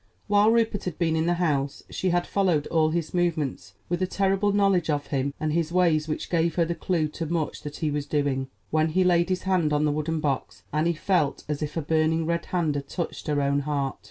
While Rupert had been in the house she had followed all his movements with a terrible knowledge of him and his ways which gave her the clew to much that he was doing. When he laid his hand on the wooden box, Annie felt as if a burning red hand had touched her own heart.